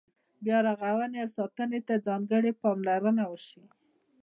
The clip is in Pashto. بیا رغونې او ساتنې ته ځانګړې پاملرنه وشي.